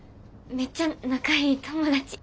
めっちゃ仲良い友達。